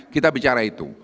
kita bicara itu